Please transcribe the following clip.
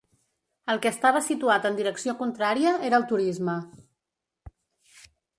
El que estava situat en direcció contrària era el turisme.